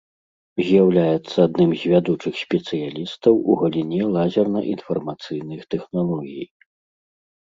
З'яўляецца адным з вядучых спецыялістаў у галіне лазерна-інфармацыйных тэхналогій.